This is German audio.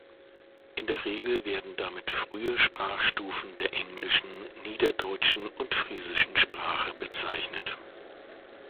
In der Regel werden damit frühe Sprachstufen der Englischen, Niederdeutschen und Friesischen Sprache bezeichnet.